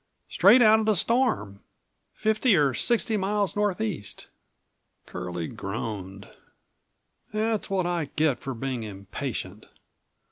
"Straight out of the storm. Fifty or sixty miles northeast." Curlie groaned. "That's what I get for being impatient.